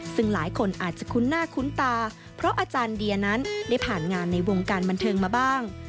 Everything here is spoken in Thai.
ซึ่งหลายคนอาจจะคุ้นหน้าคุ้นตาเพราะอาจารย์เดียนั้นได้ผ่านงานในวงการบันเทิงมาบ้าง